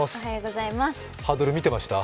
ハードル見てました？